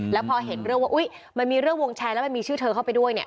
ที่มันมีเรื่องวงแชร์และมีชื่อเธอเข้าไปด้วย